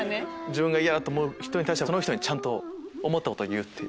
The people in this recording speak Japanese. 自分が嫌だと思う人に対してはちゃんと思ったことは言う？